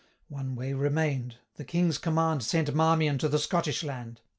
One way remain'd the King's command Sent Marmion to the Scottish land!